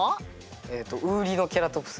えっとウーリノケラトプス。